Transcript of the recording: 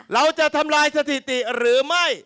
เราจะทำลายสถิติหรือไม่